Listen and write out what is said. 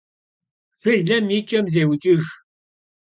Şşılem yi ç'em zêuç'ıjj.